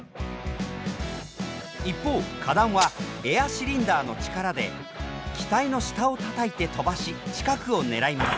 一方下段はエアシリンダーの力で機体の下をたたいて飛ばし近くを狙います。